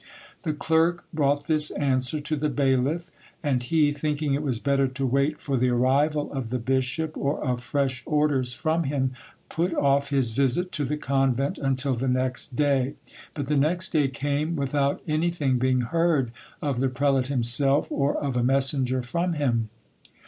The clerk brought this answer to the bailiff, and he, thinking it was better to wait for the arrival of the bishop or of fresh orders from him, put off his visit to the convent until the next day. But the next day came without anything being heard of the prelate himself or of a messenger from him.